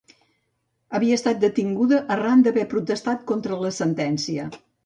Havia estat detinguda arran d'haver protestat contra la sentència.